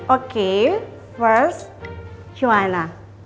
oke pertama joanna